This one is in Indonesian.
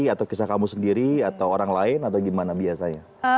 atau kisah kamu sendiri atau orang lain atau gimana biasanya